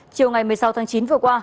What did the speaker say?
chiều ngày một mươi sáu tháng chín vừa qua